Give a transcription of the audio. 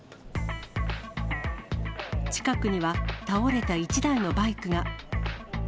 近くには倒れた１台のバイクが。